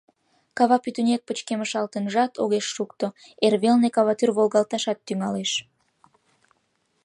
Кава пӱтынек пычкемышалтынжат огеш шукто, эрвелне каватӱр волгалташат тӱҥалеш.